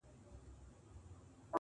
موږ چي د پردیو په ګولیو خپل ټټر ولو٫